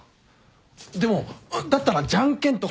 でもだったらじゃんけんとか。